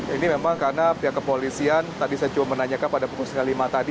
ini memang karena pihak kepolisian tadi saya coba menanyakan pada pukul setengah lima tadi